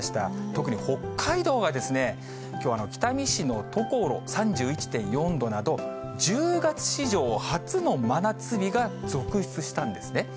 特に北海道が、きょうは北見市の常呂３１．４度など、１０月史上初の真夏日が続出したんですね。